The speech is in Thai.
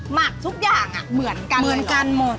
หมักทุกอย่างเหมือนกันหมด